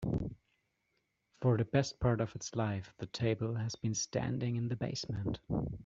For the best part of its life, the table has been standing in the basement.